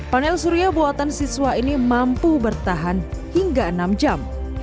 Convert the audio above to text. panel surya buatan siswa ini mampu bertahan hingga enam jam